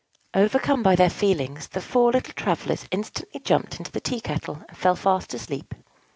Overcome by their feelings, the four little travellers instantly jumped into the tea kettle, and fell fast asleep.